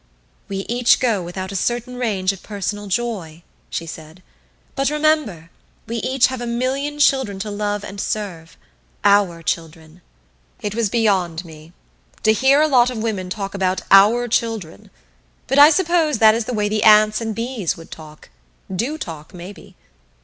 "We each go without a certain range of personal joy," she said, "but remember we each have a million children to love and serve our children." It was beyond me. To hear a lot of women talk about "our children"! But I suppose that is the way the ants and bees would talk do talk, maybe.